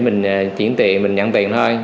mình chuyển tiền mình nhận tiền thôi